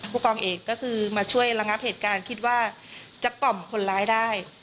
ผู้กองเอกก็คือมาช่วยระงับเหตุการณ์คิดว่าจะกล่อมคนร้ายได้